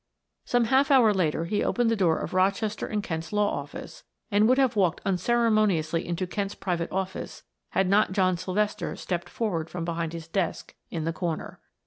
Some half hour later he opened the door of Rochester and Kent's law office and would have walked unceremoniously into Kent's private office had not John Sylvester stepped forward from behind his desk in the corner.